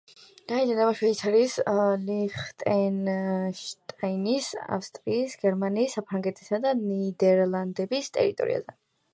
გაედინება შვეიცარიის, ლიხტენშტაინის, ავსტრიის, გერმანიის, საფრანგეთისა და ნიდერლანდების ტერიტორიაზე.